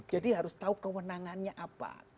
harus tahu kewenangannya apa